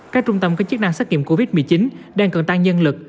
các trung tâm có chức năng xét nghiệm covid một mươi chín đang cần tăng nhân lực